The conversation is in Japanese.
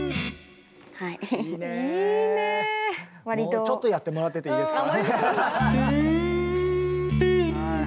もうちょっとやってもらってていいですか？